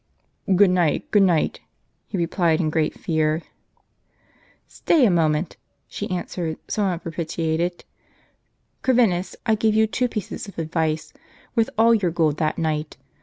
" Good night, good night," he replied in great fear. "Stay a moment," she answered, somewhat propitiated: " Corvinus, I gave you two pieces of advice worth all your gold that night.